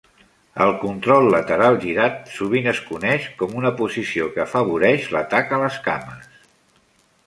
El control lateral girat sovint es coneix com una posició que afavoreix l'atac a les cames.